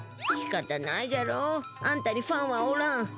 しかたないじゃろうあんたにファンはおらん。